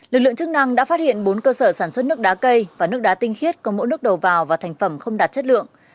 lực lượng chức năng đã phát hiện bốn cơ sở sản xuất nước đá cây và nước đá tinh khiết có mẫu nước đầu vào và thành phẩm không đạt chất lượng